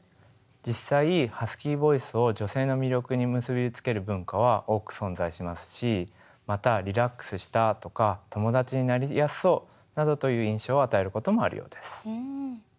実際ハスキーボイスを女性の魅力に結び付ける文化は多く存在しますしまたリラックスしたとか友達になりやすそうなどという印象を与えることもあるようです。